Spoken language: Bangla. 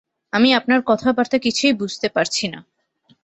আমি আপনার কথাবার্তা কিছুই বুঝতে পারছি না।